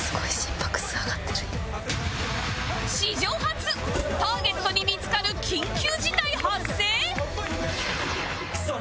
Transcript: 史上初ターゲットに見付かる緊急事態発生？